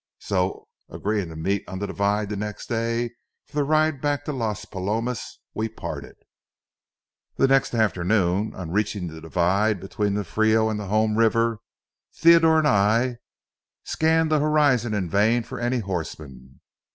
So, agreeing to meet on the divide the next day for the ride back to Las Palomas, we parted. The next afternoon, on reaching the divide between the Frio and the home river, Theodore and I scanned the horizon in vain for any horsemen.